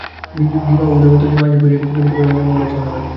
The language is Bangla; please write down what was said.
বিভা ও উদয়াদিত্য যে মাঝে পড়িয়া কিছু করিতে পারিবেন, এমন ভরসা হয় না।